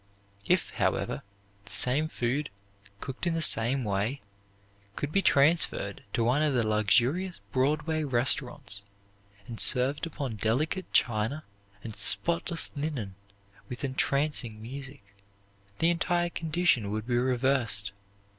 If, however, the same food, cooked in the same way, could be transferred to one of the luxurious Broadway restaurants and served upon delicate china and spotless linen with entrancing music, the entire condition would be reversed.